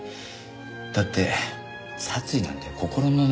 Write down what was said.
だって殺意なんて心の中の事。